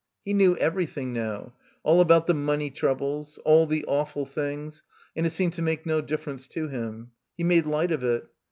He knew everything now, all about the money troubles, all the awful things, and it seemed to make no difference to him. He made light of it.